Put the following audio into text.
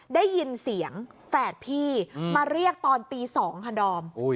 ได้ยินเสียงแฝดพี่มาเรียกตอนตี๒ค่ะดอม